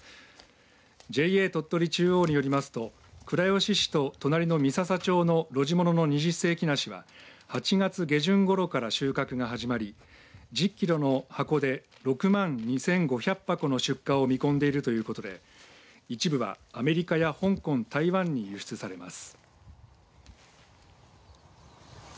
ＪＡ鳥取中央によりますと倉吉市と隣の三朝町の露地物の二十世紀梨は８月下旬ごろから収穫が始まり１０キロの箱で６万２５００箱の出荷を見込んでいるということで一部はアメリカや香港台湾に輸出されます。